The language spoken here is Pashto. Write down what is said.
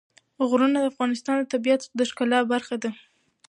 غرونه د افغانستان د طبیعت د ښکلا برخه ده.